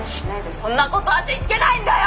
そんなことあっちゃいけないんだよ！」。